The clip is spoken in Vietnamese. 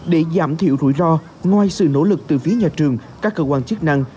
để giảm thiểu rủi ro ngoài sự nỗ lực từ phía nhà trường các cơ quan chức năng